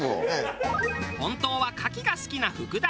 本当は牡蠣が好きな福田。